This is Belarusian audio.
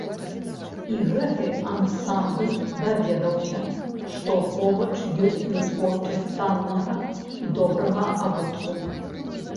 А гэты ансамбль даведаўся, што побач ёсць вытворчасць таннага і добрага абутку.